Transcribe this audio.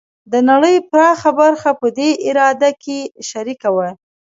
د نړۍ پراخه برخه په دې اراده کې شریکه وه.